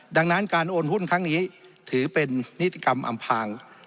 ดังนั้นการโอนหุ้นครั้งนี้ถือเป็นนิติกรรมอำพาง